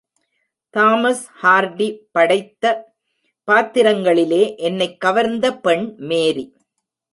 Thomas Hardy படைத்த பாத்திரங்களிலே என்னைக் கவர்ந்த பெண் மேரி.